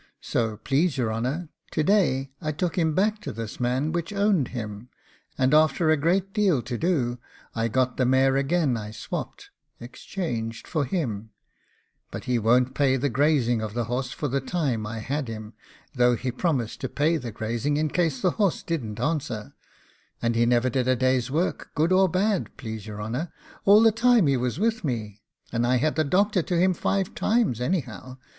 So please your honour, to day I took him back to this man, which owned him, and after a great deal to do, I got the mare again I SWOPPED (EXCHANGED) him for; but he won't pay the grazing of the horse for the time I had him, though he promised to pay the grazing in case the horse didn't answer; and he never did a day's work, good or bad, please your honour, all the time he was with me, and I had the doctor to him five times anyhow.